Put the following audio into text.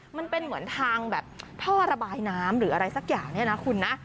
มันเป็นเหมือนทางแบบท่อระบายน้ำหรืออะไรสักอย่างเนี่ยนะคุณนะ